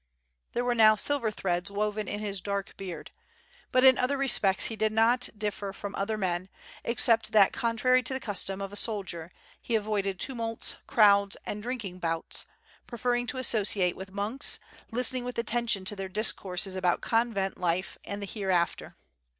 There were now silver threads woven in his dark beard; but in other respects he did not differ from other men, except that contrary to the custom of a soldier he avoided tumults, crowds and drinking bouts, preferring to associate with monks, listening with attention to their discourses about convent life, and the hereafter.